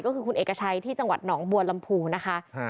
ก็คือคุณเอกชัยที่จังหวัดหนองบัวลำพูนะคะ